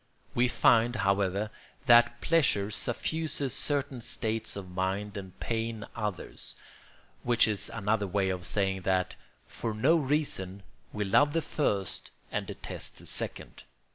We find, however, that pleasure suffuses certain states of mind and pain others; which is another way of saying that, for no reason, we love the first and detest the second.